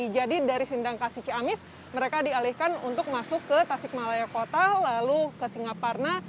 jadi dari sindangkasih ciamis mereka dialihkan untuk masuk ke tasikmalaya kota lalu ke singaparna